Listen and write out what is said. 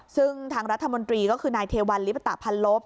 ซึ่งทางรัฐมนตรีก็คือนายเทวัลลิปตะพันลบ